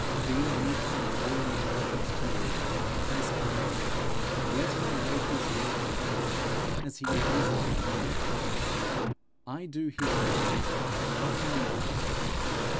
Be meek and lowly of heart toward him as I am; let him lay his yoke upon you as he lays it on me. I do his will, not my own.